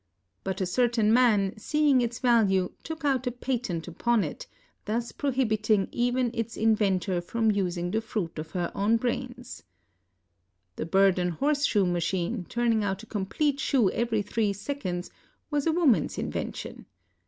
But a certain man, seeing its value, took out a patent upon it, thus prohibiting even its in 484 THE NORTH AMEBIC AN BE VIEW. ventor from using the fruit of her own brains. The Burden horse shoe machine, turning out a complete shoe every three seconds, was a woman's invention.